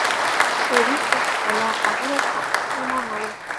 شريف په خپله خبره سخت پښېمانه و.